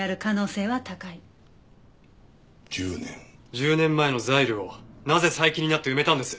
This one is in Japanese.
１０年前のザイルをなぜ最近になって埋めたんです？